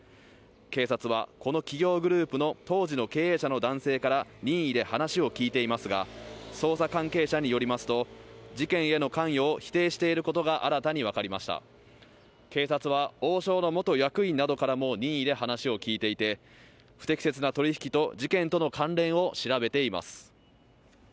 警察はこの企業グループの当時の経営者の男性から任意で話を聞いていますが捜査関係者によりますと事件への関与を否定していることが新たに分かりました警察は王将の元役員などからも任意で話を聞いていて不適切な取り引きと事件との関連を調べています